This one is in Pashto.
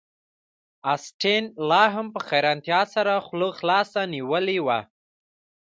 اسټین لاهم په حیرانتیا سره خوله خلاصه نیولې وه